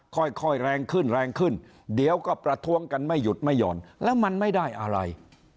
ค่อยแรงขึ้นแรงขึ้นเดี๋ยวก็ประท้วงกันไม่หยุดไม่หย่อนแล้วมันไม่ได้อะไร